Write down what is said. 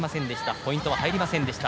ポイントは入りませんでした。